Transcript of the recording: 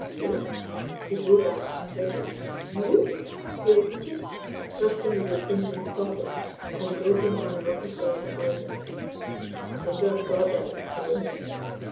"You?" He drew back, incredulous. "You?" he repeated, thrusting the book into his pocket and groping on the rocky soil beside him. "The finger of God, then, is in this.